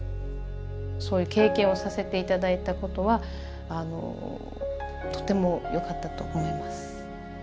そういう経験をさせて頂いたことはとてもよかったと思います。